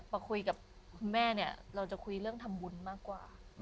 มาคุยกับคุณแม่เนี่ยเราจะคุยเรื่องทำบุญมากกว่า